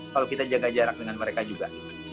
kalau kita jaga jarak dengan mereka juga